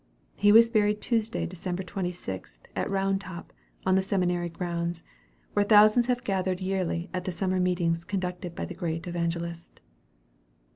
He was buried Tuesday, December 26, at Round Top, on the seminary grounds, where thousands have gathered yearly at the summer meetings conducted by the great evangelist.